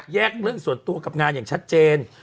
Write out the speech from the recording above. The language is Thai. เรื่องส่วนตัวกับงานอย่างชัดเจน